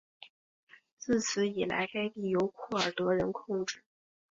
自此以来该地由库尔德人控制。